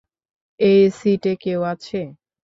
এই সিটে কেউ আছে?